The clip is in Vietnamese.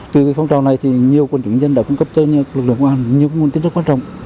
từ việc phòng trào này nhiều quân chủ nhân dân đã cung cấp cho lực lượng công an nhiều nguyên tính rất quan trọng